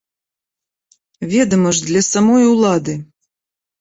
Ведама ж, для самой ўлады.